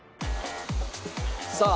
さあ。